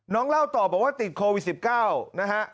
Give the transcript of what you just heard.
เล่าต่อบอกว่าติดโควิด๑๙นะฮะ